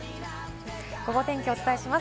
ゴゴ天気、お伝えします。